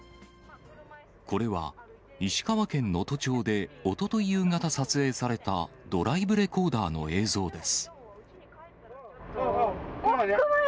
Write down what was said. これは石川県能登町でおととい夕方、撮影されたドライブレコーダーの映像です。